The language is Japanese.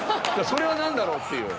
それは何だろうっていう。